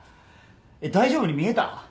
大丈夫に見えた？